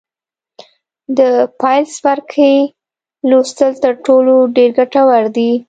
د پیل څپرکي لوستل تر ټولو ډېر ګټور دي.